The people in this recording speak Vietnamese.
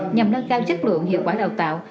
nhằm nâng cao chất lượng hiệu quả đào tạo